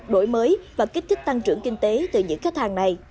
đổi mới và kích thích tăng trưởng kinh tế từ những khách hàng này